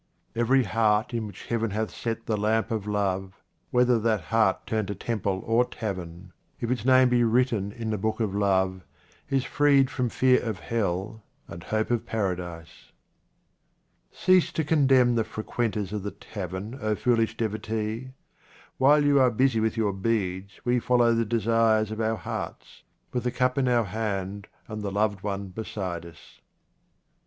Every heart in which Heaven hath set the lamp of love, whether that heart turn to temple or tavern, if its name be written in the book of love, is freed from fear of hell and hope of Paradise. Cease to condemn the frequenters of the tavern, O foolish devotee. While you are busy with your beads we follow the desires of our hearts, with the cup in our hand and the loved one beside us.